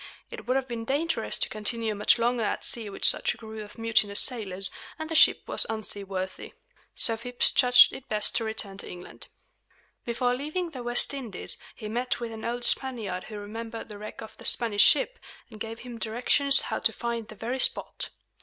It would have been dangerous to continue much longer at sea with such a crew of mutinous sailors; and the ship was unseaworthy. So Phips judged it best to return to England. Before leaving the West Indies, he met with an old Spaniard who remembered the wreck of the Spanish ship, and gave him directions how to find the very spot.